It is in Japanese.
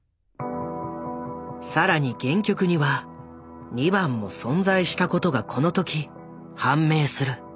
更に原曲には２番も存在したことがこの時判明する。